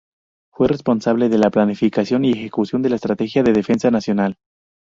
Fue responsable de la planificación y ejecución de la estrategia de defensa nacional.